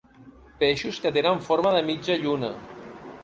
Peixos que tenen forma de mitja lluna.